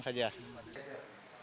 kita hanya berjaya